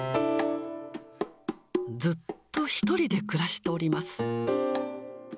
ずっと１人で暮らしております。